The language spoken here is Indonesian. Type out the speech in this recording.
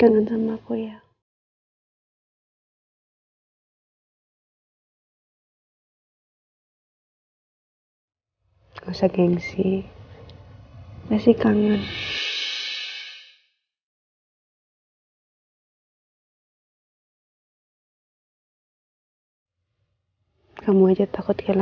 gak ada sama aku ya